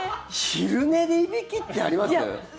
昼寝でいびきってあります？